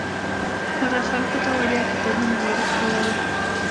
هغه خلکو ته وړیا کتابونه ورکول.